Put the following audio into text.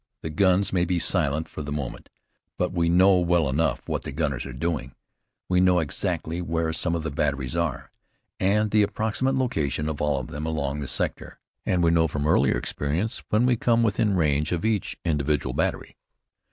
The guns may be silent for the moment, but we know well enough what the gunners are doing. We know exactly where some of the batteries are, and the approximate location of all of them along the sector; and we know, from earlier experience, when we come within range of each individual battery.